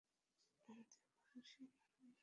আমাদের বংশে, মরা মানুষকে মারি না!